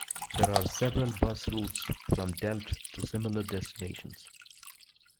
There are several bus routes from Delft to similar destinations.